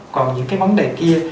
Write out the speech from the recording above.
còn những cái vấn đề kia